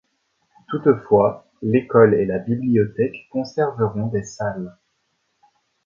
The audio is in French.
Toutefois, l'école et la bibliothèque conserveront des salles.